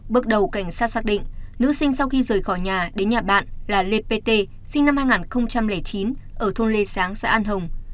bước đầu cảnh sát xác định nữ sinh sau khi rời khỏi nhà đến nhà bạn là lê pt sinh năm hai nghìn chín ở thôn lê sáng xã an hồng